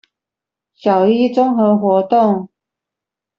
小一綜合活動